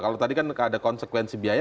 kalau tadi kan ada konsekuensi biaya